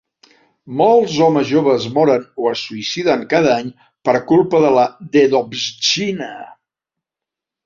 Molts homes joves moren o es suïciden cada any per culpa de la "dedovshchina".